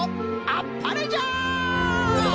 あっぱれじゃ！